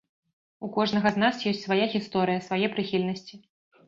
У кожнага з нас ёсць свая гісторыя, свае прыхільнасці.